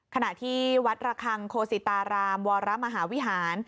ขณะที่วัดระคังโคศิตารามวรมหาวิหาร